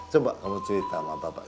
coba kamu cerita sama bapak